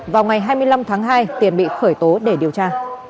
vào ngày hai mươi năm tháng hai tiền bị khởi tố để điều tra